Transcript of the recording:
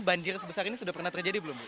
banjir sebesar ini sudah pernah terjadi belum bu